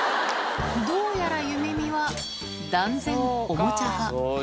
どうやらゆめみは、断然おもちゃ派。